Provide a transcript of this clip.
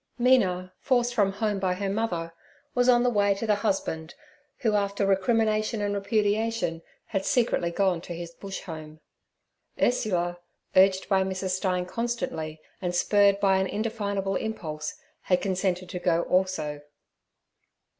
Mina, forced from home by her mother, was on the way to the husband, who, after recrimination and repudiation, had secretly gone to his Bush home. Ursula, urged by Mrs. Stein constantly, and spurred by an indefinable impulse, had consented to go also.